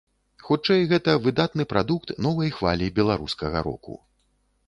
Хутчэй гэта выдатны прадукт новай хвалі беларускага року.